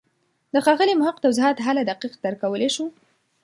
د ښاغلي محق توضیحات هله دقیق درک کولای شو.